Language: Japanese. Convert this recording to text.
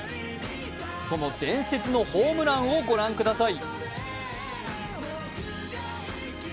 その伝説のホームランをご覧ください。